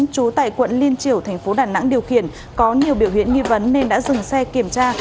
chú tại quận liên triều tp đà nẵng điều khiển có nhiều biểu hiện nghi vấn nên đã dừng xe kiểm tra